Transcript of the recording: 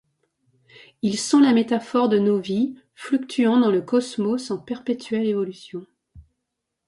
Ils sont la métaphore de nos vies fluctuant dans le cosmos en perpétuel évolution.